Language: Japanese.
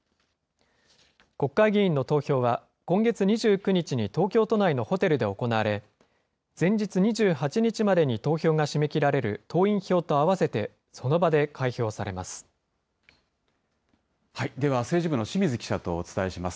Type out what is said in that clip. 国会議員の投票は、今月２９日に東京都内のホテルで行われ、前日２８日までに投票が締め切られる党員票と合わせて、その場ででは、政治部の清水記者とお伝えします。